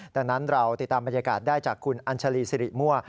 ดังนั้นเราติดตามบรรยากาศได้จากคุณอัญชาลีสิริมั่ว